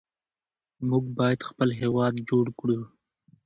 موږ باید خپل هېواد جوړ کړو.